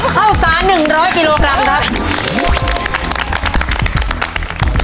ข้าวสาร๑๐๐กิโลกรัมครับ